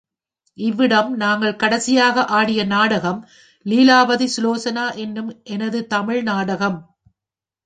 இவ்விடம் நாங்கள் கடைசியாக ஆடிய நாடகம் லீலாவதிசுலோசனா எனும் எனது தமிழ் நாடகம்.